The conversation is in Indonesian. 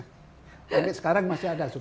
tapi sekarang masih ada sopir saya